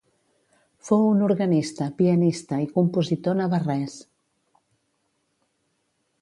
Fou un organista, pianista i compositor navarrès.